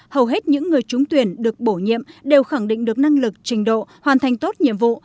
hầu hết những người trúng tuyển được bổ nhiệm đều khẳng định được năng lực trình độ hoàn thành tốt nhiệm vụ